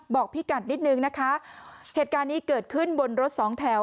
บอกพี่กัดนิดนึงนะคะเหตุการณ์นี้เกิดขึ้นบนรถสองแถว